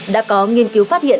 đã có nghiên cứu phát hiện